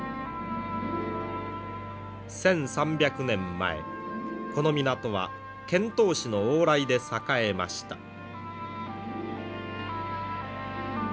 １，３００年前この港は遣唐使の往来で栄えました。